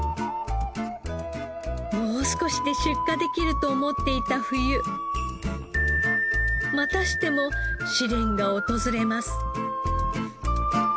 もう少しで出荷できると思っていた冬またしても試練が訪れます。